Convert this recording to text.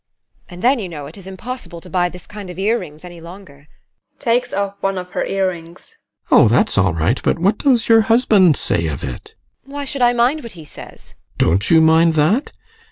And then, you know, it is impossible to buy this kind of ear rings any longer. [Takes off one of her ear rings.] GUSTAV. Oh, that's all right, but what does your husband say of it? TEKLA. Why should I mind what he says? GUSTAV. Don't you mind that?